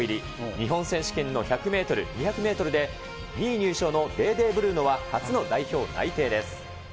日本選手権の１００メートル、２００メートルで２位入賞のデーデーブルーノは、初の代表内定です。